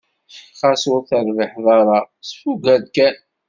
Xas ur terbiḥeḍ ara, sfugger kan.